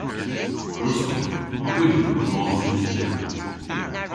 Gwrussowgh. Hwi a wrug mos yn kyttrin.